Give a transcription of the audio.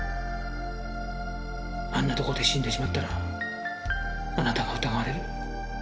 あんなとこで死んでしまったらあなたが疑われる。